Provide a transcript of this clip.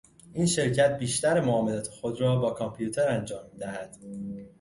این شرکت بیشتر معاملات خود را با کامپیوتر انجام میدهد.